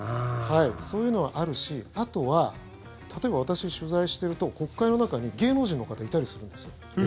そういうのはあるしあとは例えば私、取材していると国会の中に芸能人の方いたりするんですよ。